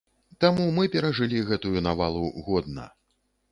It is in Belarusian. Таму мы перажылі гэтую навалу годна.